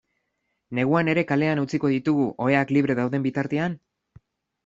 Neguan ere kalean utziko ditugu, oheak libre dauden bitartean?